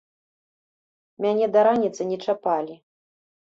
Мяне да раніцы не чапалі.